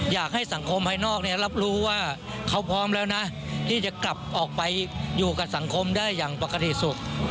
อยากให้สังคมภายนอกรับรู้ว่าเขาพร้อมแล้วนะที่จะกลับออกไปอยู่กับสังคมได้อย่างปกติสุข